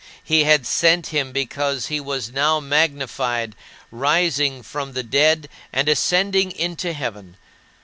He had sent him because he was now magnified, rising from the dead and ascending into heaven.